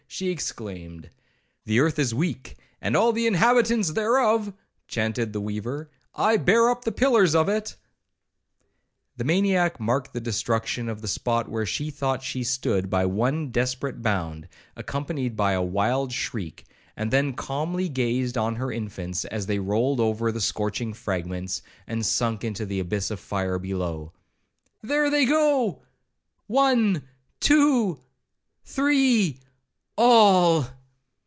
she exclaimed. 'The earth is weak, and all the inhabitants thereof,' chaunted the weaver; 'I bear up the pillars of it.' The maniac marked the destruction of the spot where she thought she stood by one desperate bound, accompanied by a wild shriek, and then calmly gazed on her infants as they rolled over the scorching fragments, and sunk into the abyss of fire below. 'There they go,—one—two—three—all!'